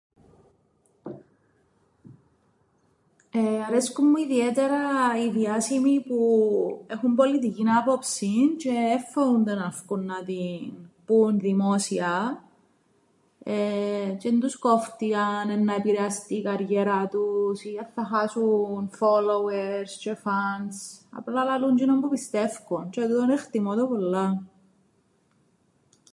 Αρέσκουν μου ιδιαίτερα οι διάσημοι που έχουν πολιτικήν άποψην τζ̆αι εν φοούνται να φκουν να την πουν δημόσια, εεε τζ̆αι εν τους κόφτει αν εννά επηρεαστεί η καριέρα τους ή αν θα χάσουν followers τζ̆αι fans. Απλά λαλούν τζ̆είνον που πιστεύκουν τζ̆αι τούτον εκτιμ΄ω το πολλά.